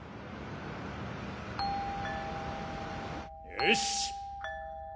よし！